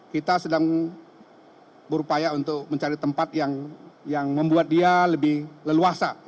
kita sedang berupaya untuk mencari tempat yang membuat dia lebih leluasa